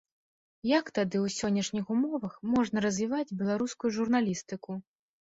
Як тады ў сённяшніх умовах можна развіваць беларускую журналістыку?